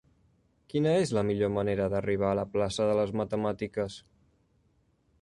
Quina és la millor manera d'arribar a la plaça de les Matemàtiques?